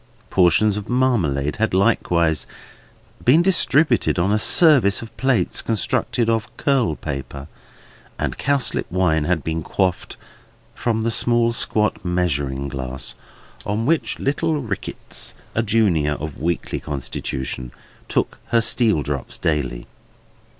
Portions of marmalade had likewise been distributed on a service of plates constructed of curlpaper; and cowslip wine had been quaffed from the small squat measuring glass in which little Rickitts (a junior of weakly constitution) took her steel drops daily.